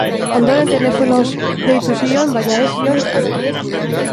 Ondoren, telefonoz deitu zion, baina ez zion hartu.